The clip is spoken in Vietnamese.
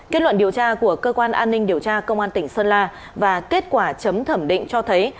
kết luận điều tra của cơ quan an ninh điều tra công an tỉnh sơn la và kết quả chấm thẩm định cho thấy